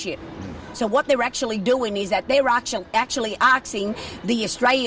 jadi apa yang mereka lakukan adalah mereka sebenarnya menanyakan orang australia